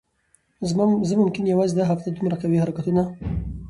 زه ممکن یوازی دا هفته دومره قوي حرکتونو